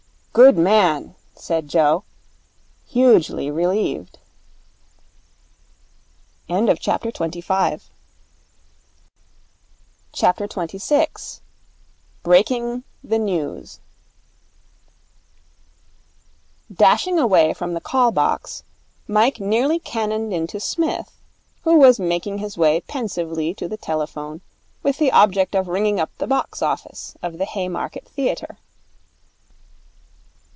'Good man,' said Joe, hugely relieved. 26. Breaking The News Dashing away from the call box, Mike nearly cannoned into Psmith, who was making his way pensively to the telephone with the object of ringing up the box office of the Haymarket Theatre.